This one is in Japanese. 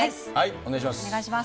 お願いします。